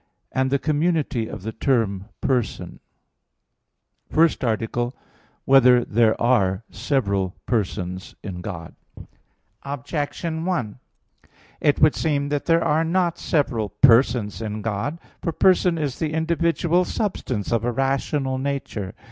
(4) The community of the term "person." _______________________ FIRST ARTICLE [I, Q. 30, Art. 1] Whether There Are Several Persons in God? Objection 1: It would seem that there are not several persons in God. For person is "the individual substance of a rational nature."